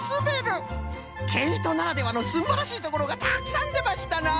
けいとならではのすんばらしいところがたくさんでましたな！